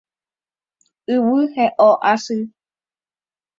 Yvy he'õ asy